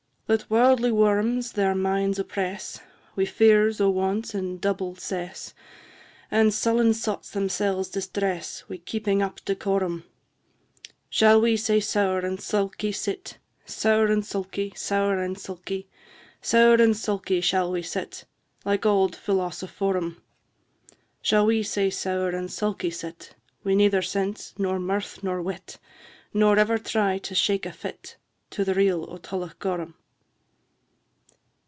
IV. Let warldly worms their minds oppress Wi' fears o' want and double cess, And sullen sots themsells distress Wi' keeping up decorum: Shall we sae sour and sulky sit, Sour and sulky, sour and sulky, Sour and sulky shall we sit, Like old philosophorum? Shall we sae sour and sulky sit, Wi' neither sense, nor mirth, nor wit, Nor ever try to shake a fit To th' Reel o' Tullochgorum?